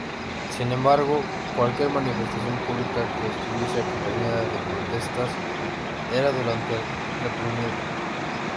Sin embargo, cualquier manifestación pública que estuviese acompañada de protestas era duramente reprimida.